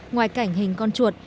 ngoài cảnh hình con chuột